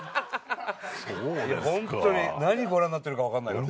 ホントに何ご覧になってるか分かんないから。